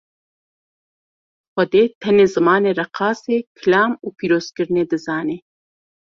Xwedê tenê zimanê reqasê, kilam û pîrozkirinê dizane.